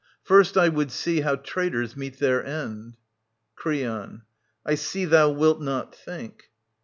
First I would see how traitors meet their end. Creon. I see thou wilt not think.